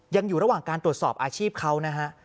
ยังอยู่ระหว่างการตรวจสอบอาชีพเขานะฮะ